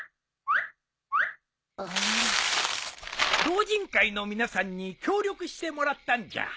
老人会の皆さんに協力してもらったんじゃ。